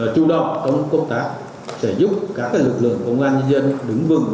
trụ động trong công tác sẽ giúp các lực lượng công an nhân dân đứng vừng